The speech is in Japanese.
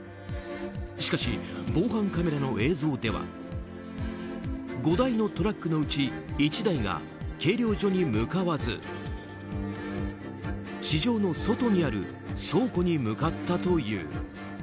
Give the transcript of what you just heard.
しかし、防犯カメラの映像では５台のトラックのうち１台が計量所に向かわず市場の外にある倉庫に向かったという。